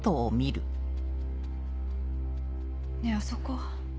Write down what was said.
ねぇあそこ。